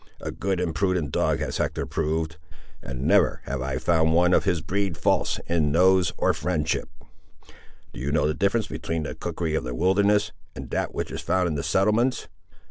A good and prudent dog has Hector proved, and never have I found one of his breed false in nose or friendship. Do you know the difference between the cookery of the wilderness and that which is found in the settlements?